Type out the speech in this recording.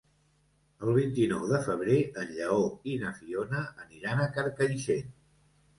El vint-i-nou de febrer en Lleó i na Fiona aniran a Carcaixent.